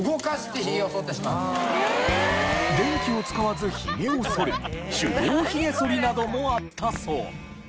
電気を使わずひげをそる手動ひげそりなどもあったそう。